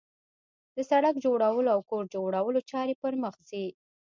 د سړک جوړولو او کور جوړولو چارې پرمخ ځي